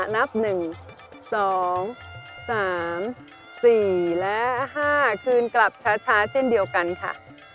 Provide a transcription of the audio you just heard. นับ๑๒๓๔และ๕คืนกลับช้าเช่นเดียวกันค่ะ